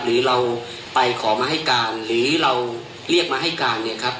หรือเราไปขอมาให้การหรือเราเรียกมาให้การเนี่ยครับ